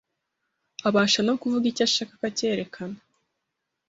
Abasha no kuvuga icyo ashaka akacyerekana.